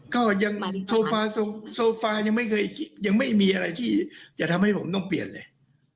ก็ยังโซฟายังไม่เคยยังไม่มีอะไรที่จะทำให้ผมต้องเปลี่ยนเลย